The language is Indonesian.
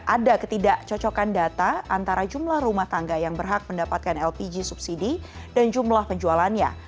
ada ketidakcocokan data antara jumlah rumah tangga yang berhak mendapatkan lpg subsidi dan jumlah penjualannya